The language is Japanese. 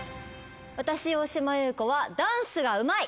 私大島優子はダンスがうまい。